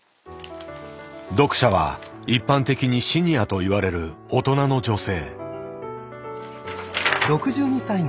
読者は一般的にシニアといわれる大人の女性。